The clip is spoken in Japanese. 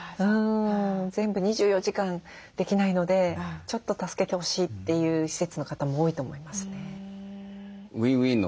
全部２４時間できないのでちょっと助けてほしいという施設の方も多いと思いますね。